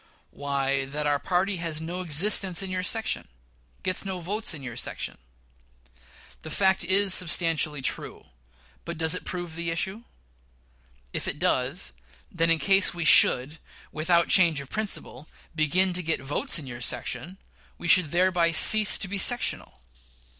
Why, that our party has no existence in your section gets no votes in your section. The fact is substantially true; but does it prove the issue? If it does, then in case we should, without change of principle, begin to get votes in your section, we should thereby cease to be sectional.